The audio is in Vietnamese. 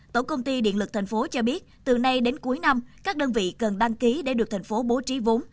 tổng công ty điện lực tp hcm cho biết từ nay đến cuối năm các đơn vị cần đăng ký để được thành phố bố trí vốn